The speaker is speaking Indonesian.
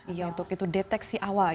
iya untuk itu deteksi awal